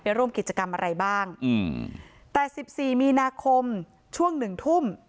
ร่วมกิจกรรมอะไรบ้างอืมแต่สิบสี่มีนาคมช่วงหนึ่งทุ่ม